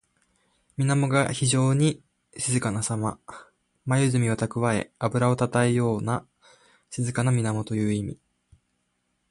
水面が非情に静かなさま。まゆずみをたくわえ、あぶらをたたえたような静かな水面という意味。